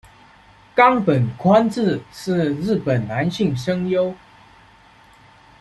冈本宽志是日本男性声优。